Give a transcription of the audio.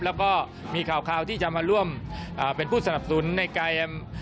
แล้วก็มีข่าวที่จะมาร่วมเป็นผู้สนับสนุนในการ